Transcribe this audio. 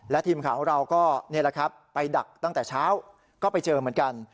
และทีมขาวเราก็ไปดักตั้งแต่เช้าก็ไปเจอเหมือนกัน